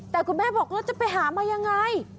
แต่คุณแม่บอกแล้วจะไปหามายังไง